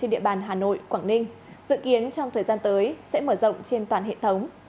địa bàn hà nội quảng ninh dự kiến trong thời gian tới sẽ mở rộng trên toàn hệ thống